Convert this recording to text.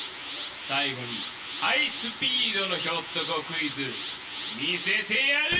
最後にハイスピードのひょっとこクイズ見せてやる。